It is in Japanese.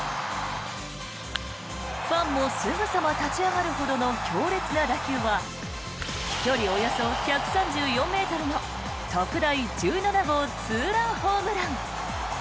ファンもすぐさま立ち上がるほどの強烈な打球は飛距離およそ１３４ｍの特大１７号ツーランホームラン。